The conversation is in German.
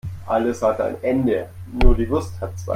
Alles hat ein Ende, nur die Wurst hat zwei.